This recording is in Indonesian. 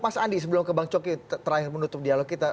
mas andi sebelum ke bang coki terakhir menutup dialog kita